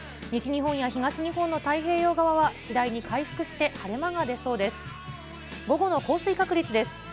西日本や東日本の太平洋側は次第に回復して、晴れ間が出そうです。